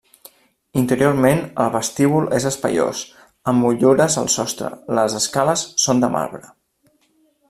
Interiorment el vestíbul és espaiós, amb motllures al sostre, les escales són de marbre.